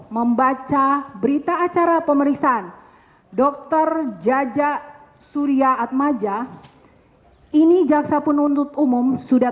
membaca berita acara pemeriksaan dokter jajak surya aad ha jograf ini jaksa penuntut umum sudah